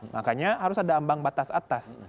makanya harus ada ambang batas atas